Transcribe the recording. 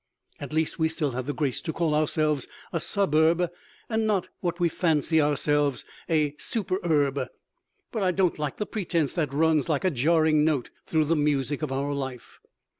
At least we still have the grace to call ourselves a suburb, and not (what we fancy ourselves) a superurb. But I don't like the pretense that runs like a jarring note through the music of our life.